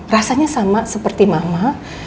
rasanya sama seperti mama